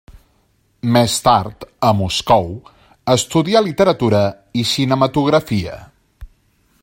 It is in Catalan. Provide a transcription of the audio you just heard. Més tard, a Moscou, estudià literatura i cinematografia.